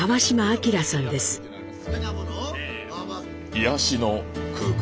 癒やしの空間。